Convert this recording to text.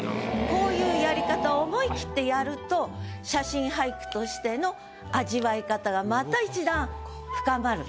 こういうやり方を思い切ってやると写真俳句としての味わい方がまた一段深まる。